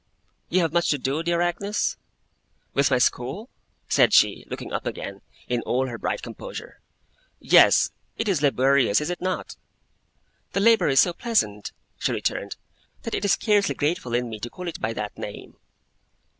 'You have much to do, dear Agnes?' 'With my school?' said she, looking up again, in all her bright composure. 'Yes. It is laborious, is it not?' 'The labour is so pleasant,' she returned, 'that it is scarcely grateful in me to call it by that name.